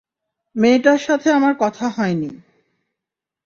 মেয়েটার সাথে আমার কথা হয়নি।